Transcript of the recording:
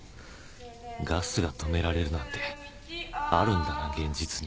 ガスが止められるなんてあるんだな現実に